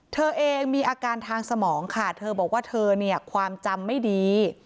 เธอเองมีอาการทางสมองค่ะเธอบอกว่าเธอเนี่ยความจำไม่ดี